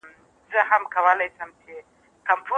ماشومان د ګرمۍ پر وخت ډیر خوله کوي.